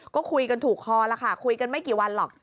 ก็คุยกันถูกคอแล้วค่ะคุยกันไม่กี่วันหรอก